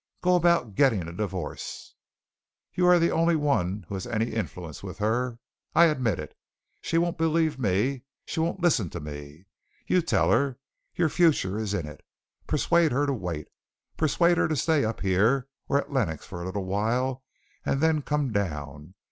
Go about getting a divorce. You are the only one who has any influence with her. I admit it. She won't believe me. She won't listen to me. You tell her. Your future is in it. Persuade her to wait. Persuade her to stay up here or at Lenox for a little while and then come down.